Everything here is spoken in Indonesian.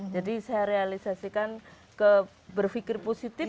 jadi saya realisasikan ke berfikir positif